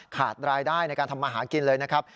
ขาดรายได้ในการทำมาหากินเลยนะครับ